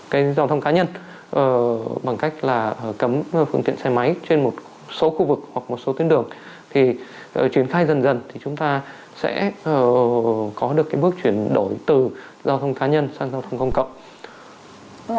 cái giao thông cá nhân bằng cách là cấm phương tiện xe máy trên một số khu vực hoặc một số tuyến đường thì triển khai dần dần thì chúng ta sẽ có được cái bước chuyển đổi từ giao thông cá nhân sang giao thông công cộng